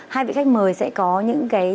hai vị khách mời sẽ có những cái